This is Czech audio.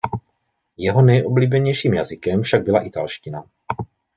Jeho nejoblíbenějším jazykem však byla italština.